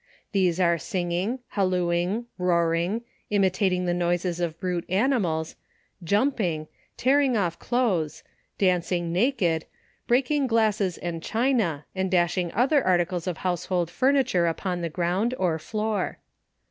These are, singing, hallooing, roar ing, imitating the noises of brute animals, jumping, tear ing off clothes, dancing naked, breaking glasses and china, and dashing other articles of household furniture upon the ground, or floor.